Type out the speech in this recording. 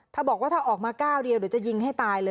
ถ้าบอกว่าถ้าออกมาก้าวเดียวเดี๋ยวจะยิงให้ตายเลย